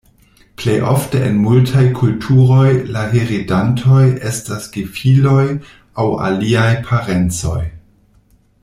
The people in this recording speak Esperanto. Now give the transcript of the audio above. Plej ofte en multaj kulturoj la heredantoj estas gefiloj aŭ aliaj parencoj.